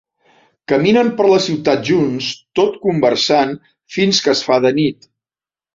Caminen per la ciutat junts, tot conversant fins que es fa de nit.